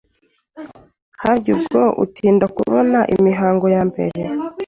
hari n’ubwo utinda kubona imihango ya mbere